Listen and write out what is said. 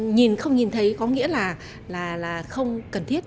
nhìn không nhìn thấy có nghĩa là không cần thiết